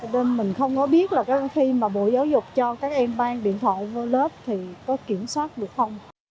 nên mình không có biết là khi mà bộ giáo dục cho các em ban điện thoại vào lớp thì có kiểm soát được không